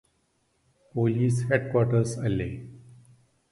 police headquarters അല്ലേ